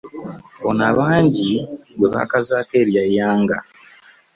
Ono abangi gwe baakazaaako erya Yanga